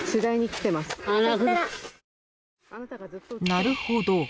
［「なるほど」